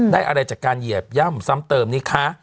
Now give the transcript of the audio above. ได้อะไรจากการเหยียบย่ำซ้ำเติมนี่คะ